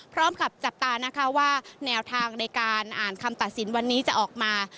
จับตานะคะว่าแนวทางในการอ่านคำตัดสินวันนี้จะออกมา